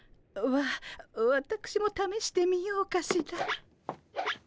わわたくしもためしてみようかしら。